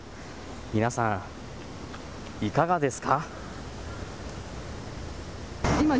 皆さん、いかがです蚊？